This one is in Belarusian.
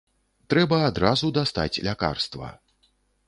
Трэба адразу дастаць лякарства.